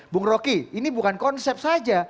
bung roky ini bukan konsep saja